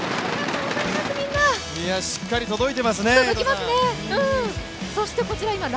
しっかり届いていますね！